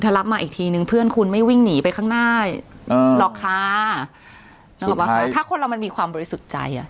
ถ้ารับมาอีกทีนึงเพื่อนคุณไม่วิ่งหนีไปข้างหน้าหรอกค่ะต้องบอกว่าถ้าคนเรามันมีความบริสุทธิ์ใจอ่ะ